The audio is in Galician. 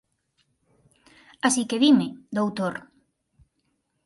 Así que dime, doutor.